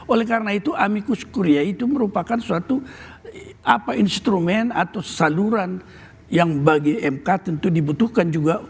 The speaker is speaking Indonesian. oleh karena itu amikus kuria itu merupakan suatu instrumen atau saluran yang bagi mk tentu dibutuhkan juga